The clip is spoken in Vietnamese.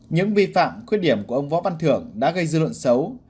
những vi phạm khuyết điểm của ông võ văn thưởng đã gây dư luận xấu